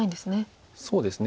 そうですね。